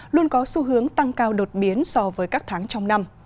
luôn có xu hướng tăng cao đột biến so với các tháng trong năm